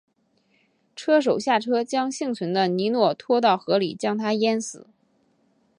车手下车将幸存的尼诺拖到海里将他淹死。